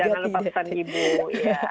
jangan lupa pesan ibu ya